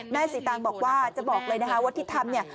แม่สีตางค์จะบอกเลยว่าที่ทำ